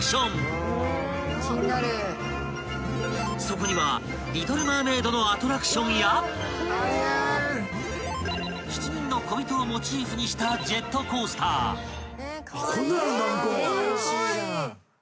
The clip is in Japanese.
［そこには『リトル・マーメイド』のアトラクションや７人のこびとをモチーフにしたジェットコースター］カワイイ。